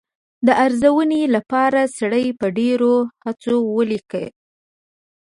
د ارزونې لپاره سړی په ډېرو هڅو ولیکي.